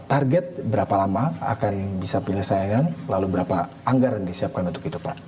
target berapa lama akan bisa pilih saya kan lalu berapa anggaran disiapkan untuk itu pak